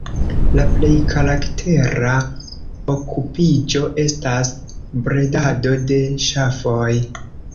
La plej karaktera okupiĝo estas bredado de ŝafoj.